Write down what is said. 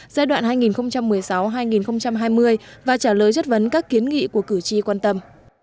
giai đoạn hai nghìn một mươi sáu hai nghìn hai mươi và trả lời chất vấn các kiến nghị của cử tri quan tâm